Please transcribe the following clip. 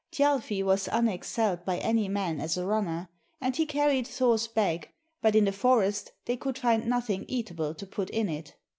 Thjalfi was unexcelled by any man as a runner, and he carried Thor's bag, but in the forest they could find nothing eatable to put in it.